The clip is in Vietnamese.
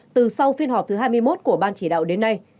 từ sau phiên họp thứ hai mươi một của ban chỉ đạo đến nay